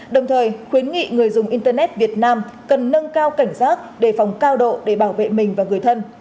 đồng thời khuyến nghị người dùng internet việt nam cần nâng cao cảnh giác đề phòng cao độ để bảo vệ mình và người thân